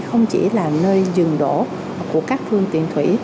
không chỉ là nơi dừng đổ của các phương tiện thủy